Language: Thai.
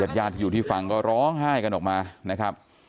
ญาติที่อยู่ที่ฟังก็ร้องไห้กันออกมานะครับ